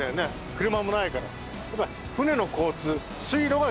車もないから。